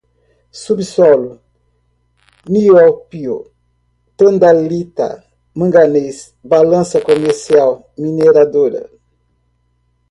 subsolo, nióbio, tantalita, manganês, balança comercial, mineradora